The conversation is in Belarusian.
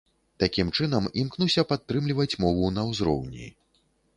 Такім чынам імкнуся падтрымліваць мову на ўзроўні.